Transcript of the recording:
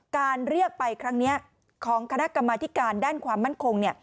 การเรียกไปครั้งนี้ของคณะกรรมธิการด้านความมั่นคง